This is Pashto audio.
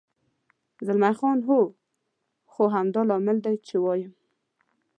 زلمی خان: هو، خو همدا لامل دی، چې وایم.